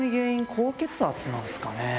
高血圧なんすかね。